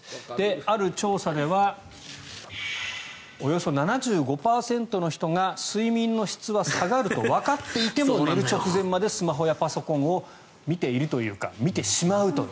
ある調査ではおよそ７５％の人が睡眠の質は下がるとわかっていても寝る直前までスマホやパソコンを見ているというか見てしまうという。